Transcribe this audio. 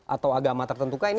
atau agama tertentu